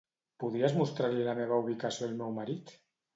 Podries mostrar-li la meva ubicació al meu marit?